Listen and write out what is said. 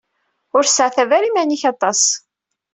Ur seɛtab ara iman-ik aṭas!